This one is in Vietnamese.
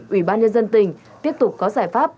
ủy ban nhân dân tỉnh tiếp tục có giải pháp